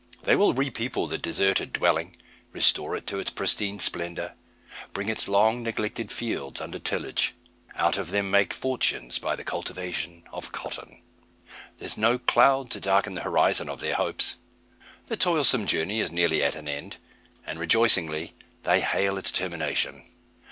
They will re people the deserted dwelling, restore it to its pristine splendour; bring its long neglected fields under tillage out of them make fortunes by the cultivation of cotton. There is no cloud to darken the horizon of their hopes. The toilsome journey is nearly at an end, and rejoicingly they hail its termination.